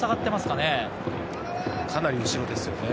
かなり後ろですよね。